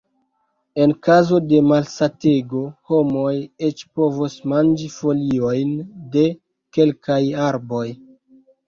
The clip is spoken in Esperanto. En kazo de malsatego, homoj eĉ povos manĝi foliojn de kelkaj arboj.